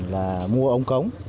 là mua ống cống